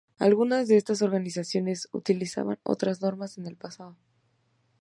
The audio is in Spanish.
Algunas de estas organizaciones utilizaban otras normas en el pasado.